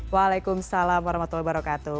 waalaikumsalam warahmatullahi wabarakatuh